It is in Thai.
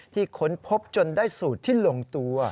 ค้นพบจนได้สูตรที่ลงตัว